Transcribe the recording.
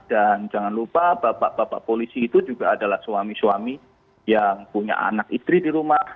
dan jangan lupa bapak bapak polisi itu juga adalah suami suami yang punya anak istri di rumah